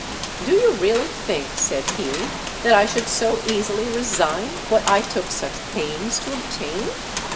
"Do you really think," said he, "that I should so easily resign what I took such pains to obtain?